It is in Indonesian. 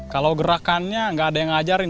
kalau gerakannya nggak ada yang ngajarin